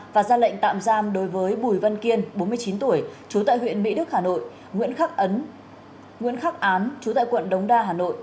và ra lệnh tạm giam đối với bùi vân kiên bốn mươi chín tuổi chú tại huyện mỹ đức hà nội nguyễn khắc án chú tại quận đống đa hà nội